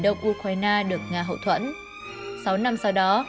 động ukraine được nga hậu thuẫn sáu năm sau đó